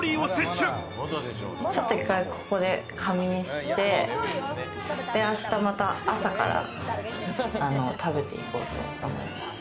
ちょっと１回、ここで仮眠して明日また朝から食べて行こうと思います。